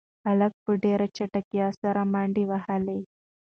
هلک په ډېرې چټکتیا سره منډې وهلې.